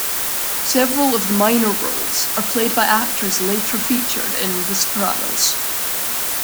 Several of the minor roles are played by actors later featured in "The Sopranos".